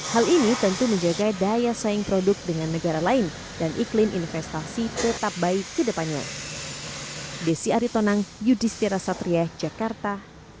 hal ini tentu menjaga daya saing produk dengan negara lain dan iklim investasi tetap baik ke depannya